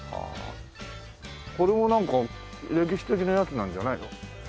これもなんか歴史的なやつなんじゃないの？